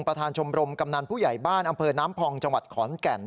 ประธานชมรมกำนันผู้ใหญ่บ้านอำเภอน้ำพองจังหวัดขอนแก่น